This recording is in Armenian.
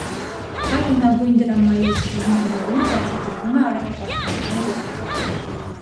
Հայ հնագույն դրամայի սկզբնավորումը բացատրվում է արևապաշտության տեսությամբ։